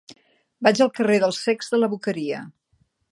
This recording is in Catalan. Vaig al carrer dels Cecs de la Boqueria.